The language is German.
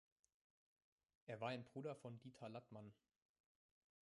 Er war ein Bruder von Dieter Lattmann.